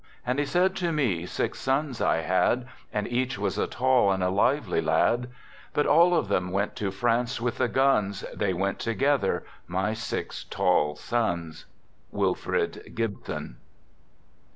And he said to me: "Six sons I had, And each was a tall and a lively lad." "But all of them went to France with the guns, They went together, my six tall sons." — Wilfrid Gibson.